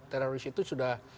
teroris itu sudah